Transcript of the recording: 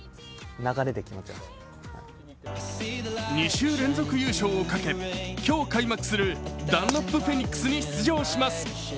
２週連続優勝をかけ、今日開幕するダンロップフェニックスに出場します。